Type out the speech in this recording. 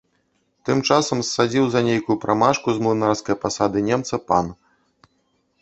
Тым часам ссадзіў за нейкую прамашку з млынарскае пасады немца пан.